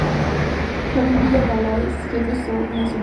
Javier Villa Peláez, Jefe Scout Nacional.